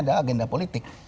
ada agenda politik